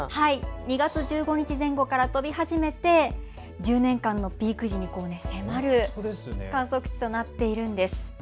２月１５日前後から飛び始めて１０年間のピーク時に迫る観測値となっているんです。